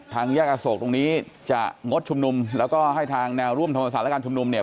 ทางแยกอโศกตรงนี้จะงดชุมนุมแล้วก็ให้ทางแนวร่วมธรรมศาสตร์และการชุมนุมเนี่ย